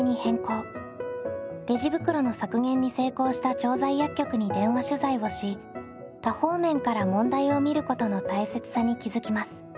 レジ袋の削減に成功した調剤薬局に電話取材をし多方面から問題を見ることの大切さに気付きます。